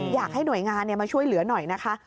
อยากให้หน่วยงานมาช่วยเหลือหน่อยนะคะ